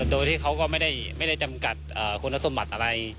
โดยที่เขาก็ไม่ได้จำกัดคุณสมบัติอะไร